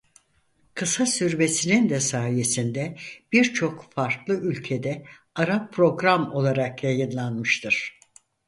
Kısa sürmesinin de sayesinde birçok farklı ülkede ara program olarak yayınlanmıştır.